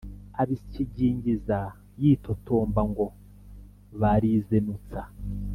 abisyigingiza yitotomba ngo barizenutsa